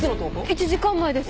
１時間前です。